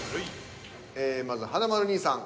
まず華丸兄さん。